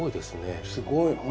すごい。